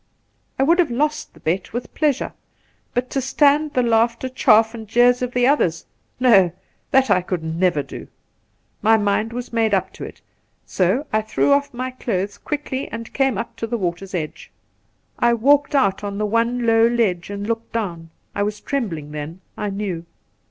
I would have lost the bet with pleasure, but to stand the laughter, chaff, and jeers of the others ! No I that I could never do. My mind was made up to it, so I threw off my clothes quickly and came up to the water's edge. > I walked out on the one low ledge and looked down. I was trembling then, I know.